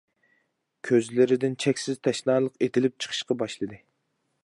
كۆزلىرىدىن چەكسىز تەشنالىق ئېتىلىپ چىقىشقا باشلىدى.